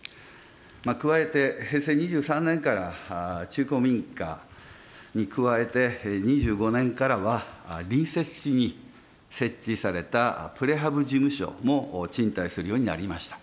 加えて、平成２３年から中古民家に加えて、２５年からは、隣接地に設置されたプレハブ事務所も賃貸するようになりました。